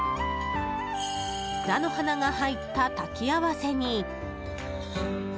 菜の花が入った炊き合わせに。